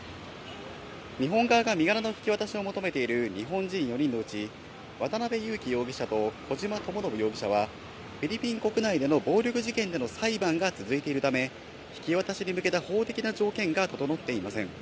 日本側が身柄の引き渡しを求めている日本人４人のうち、渡辺優樹容疑者と小島智信容疑者は、フィリピン国内での暴力事件での裁判が続いているため、引き渡しに向けた法的な条件が整っていません。